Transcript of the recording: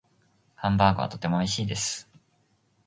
ハンバーグはとても美味しいです。